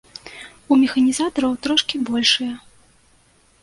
У механізатараў трошкі большыя.